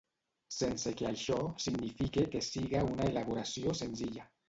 Sense que això signifique que siga una elaboració senzilla.